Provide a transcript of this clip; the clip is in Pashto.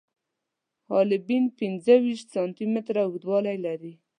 حالبین پنځه ویشت سانتي متره اوږدوالی لري.